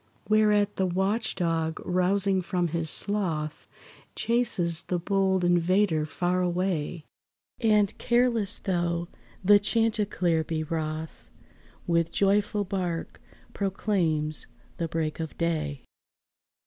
Whereat the watch dog rousing from his sloth, Chases the bold invader far away, And, careless though the chanticleer be wroth, With joyful bark proclaims the break of day.